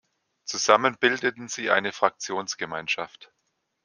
Zusammen bildeten sie eine Fraktionsgemeinschaft.